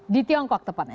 di tiongkok tepatnya